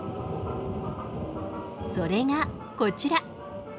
それがこちら。